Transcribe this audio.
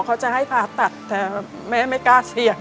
เขาจะให้ผ่าตัดแต่แม่ไม่กล้าเสี่ยง